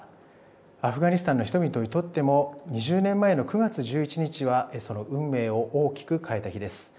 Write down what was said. アフガニスタンの人々にとっても２０年前の９月１１日はその運命を大きく変えた日です。